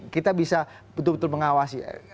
kita bisa betul betul mengawasi